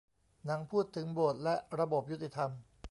หนังพูดถึงโบสถ์และระบบยุติธรรม